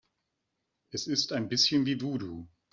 Es ist ein bisschen wie Voodoo.